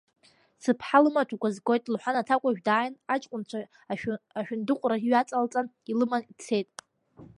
Сыԥҳа лымаҭәақәа згоит, — лҳәан аҭакәажә дааин, аҷкәынцәа ашәындыҟәра иҩаҵалҵан, илыман дцеит.